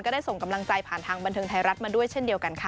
ได้ส่งกำลังใจผ่านทางบันเทิงไทยรัฐมาด้วยเช่นเดียวกันค่ะ